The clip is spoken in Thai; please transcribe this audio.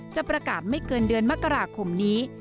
จะประกาศไม่เกินเดือนมกราคมนี้